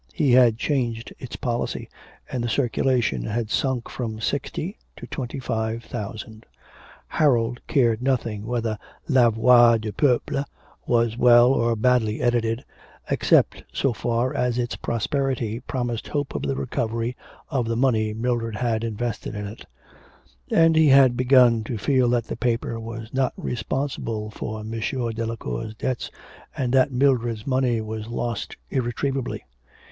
He had changed its policy, and the circulation had sunk from sixty to twenty five thousand. Harold cared nothing whether La Voix du Peuple was well or badly edited, except so far as its prosperity promised hope of the recovery of the money Mildred had invested in it; and he had begun to feel that the paper was not responsible for M. Delacour's debts, and that Mildred's money was lost irretrievably.